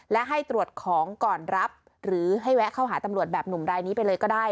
และให้ตรวจของก่อนรับหรือให้แวะเข้าหาตำรวจแบบหนุ่มรายนี้ไปเลยก็ได้